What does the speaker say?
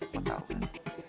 lu tau kan